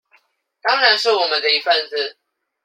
當然是我們的一分子